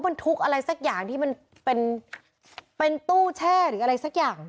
เป็นทุกอาลัยแสดงอย่างที่มันเป็นเป็นตู้แช่หนึ่งอะไรสักอย่าง